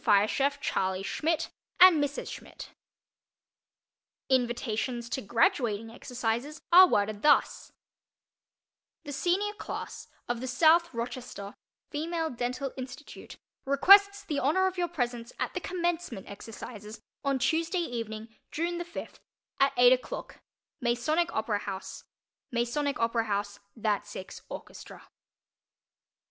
Fire Chief CHARLEY SCHMIDT and Mrs. SCHMIDT Invitations to graduating exercises are worded thus: THE SENIOR CLASS of the SOUTH ROCHESTER FEMALE DENTAL INSTITUTE requests the honor of your presence at the Commencement Exercises on Tuesday evening, June the fifth at eight o'clock MASONIC OPERA HOUSE _"That Six" Orchestra.